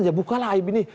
ya buka lah ini